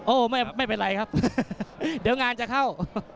โอ้โหไม่เป็นไรครับเดี๋ยวงานจะเข้า